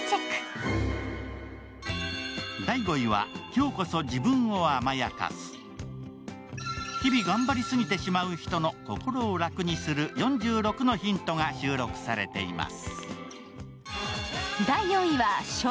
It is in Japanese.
日々、頑張り過ぎてしまう人の心を楽にする４６のヒントが収録されています。